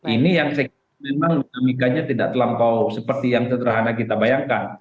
ini yang saya kira memang dinamikanya tidak terlampau seperti yang sederhana kita bayangkan